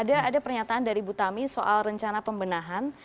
ada pernyataan dari bu tami soal rencana pembenahan